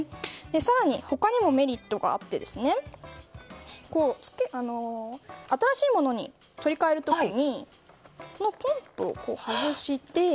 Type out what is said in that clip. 更に、他にもメリットがあって新しいものに取り換える時にポンプを外して。